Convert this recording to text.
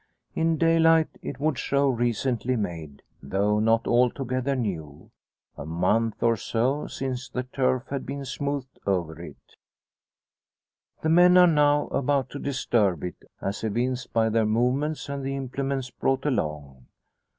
In daylight it would show recently made, though not altogether new. A month, or so, since the turf had been smoothed over it. The men are now about to disturb it, as evinced by their movements and the implements brought along.